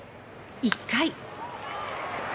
１回。